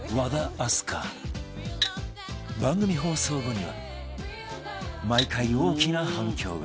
番組放送後には毎回大きな反響が